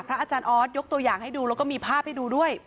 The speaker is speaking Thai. อาจารย์ออสยกตัวอย่างให้ดูแล้วก็มีภาพให้ดูด้วย